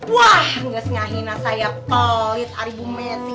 wah nggak sengah hina saya pelit ari bume sih